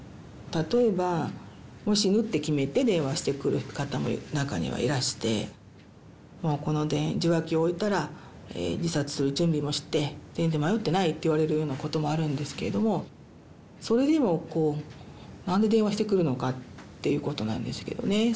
例えばもう死ぬって決めて電話してくる方も中にはいらしてもうこの受話器を置いたら自殺する準備もして全然迷っていないって言われるようなこともあるんですけれどもそれでもこう何で電話してくるのかっていうことなんですけどね。